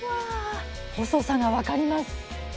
細さが分かります。